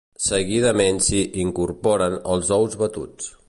Seguidament s'hi incorporen els ous batuts.